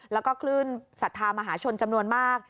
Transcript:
แล้วก็คลื่นศรัทธามหาชนจำนวนมาก